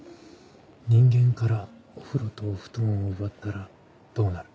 人間からお風呂とお布団を奪ったらどうなる？